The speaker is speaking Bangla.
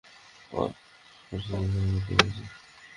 কারো সাথে দেখা করতে এসেছ?